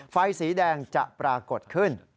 ไฟสีแดงจะปรากฏขึ้น